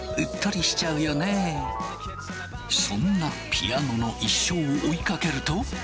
そんなピアノの一生を追いかけると。